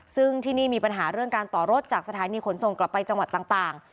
ซึ่งที่นี่มีปัญหาเรื่องการต่อรถจากสถานีขนส่งกลับไปจังหวัดต่าง